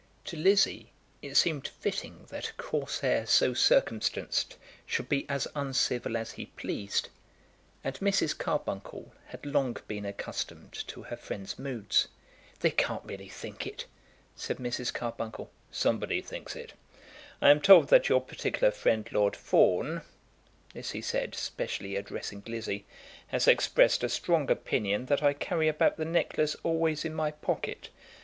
To Lizzie it seemed fitting that a Corsair so circumstanced should be as uncivil as he pleased; and Mrs. Carbuncle had long been accustomed to her friend's moods. "They can't really think it," said Mrs. Carbuncle. "Somebody thinks it. I am told that your particular friend, Lord Fawn," this he said, specially addressing Lizzie, "has expressed a strong opinion that I carry about the necklace always in my pocket.